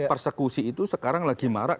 persekusi itu sekarang lagi marak